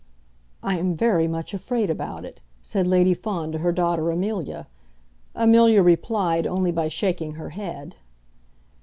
"I am very much afraid about it," said Lady Fawn to her daughter Amelia. Amelia replied only by shaking her head.